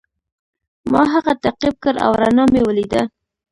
ما هغه تعقیب کړ او رڼا مې ولیده.